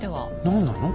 何なの？